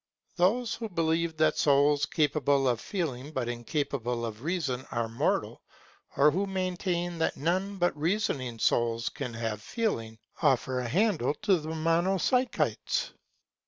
Those who believe that souls capable of feeling but incapable of reason are mortal, or who maintain that none but reasoning souls can have feeling, offer a handle to the Monopsychites.